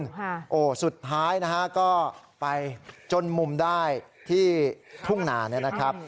ค่ะโอ้สุดท้ายนะฮะก็ไปจนมุมได้ที่ทุ่งนาเนี่ยนะครับ